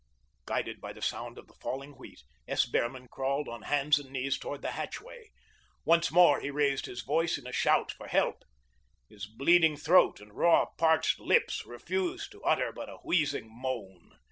Guided by the sound of the falling wheat, S. Behrman crawled on hands and knees toward the hatchway. Once more he raised his voice in a shout for help. His bleeding throat and raw, parched lips refused to utter but a wheezing moan.